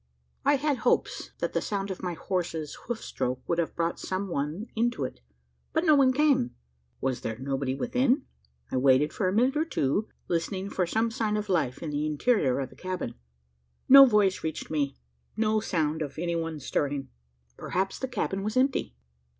I had hopes that the sound of my horse's hoof stroke would have brought some one into it; but no one came! Was there nobody within? I waited for a minute or two, listening for some sign of life in the interior of the cabin. No voice reached me no sound of any one stirring! Perhaps the cabin was empty!